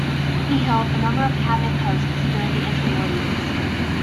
He held a number of cabinet posts during the inter-war years.